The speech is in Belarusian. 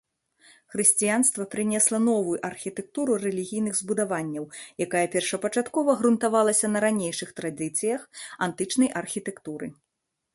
Хрысціянства прынесла новую архітэктуру рэлігійных збудаванняў, якая першапачаткова грунтавалася на ранейшых традыцыях, антычнай архітэктуры.